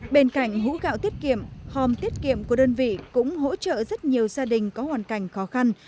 bên cạnh hũ gạo tiết kiệm hòm tiết kiệm của đơn vị cũng hỗ trợ rất nhiều gia đình có hoàn cảnh khó khăn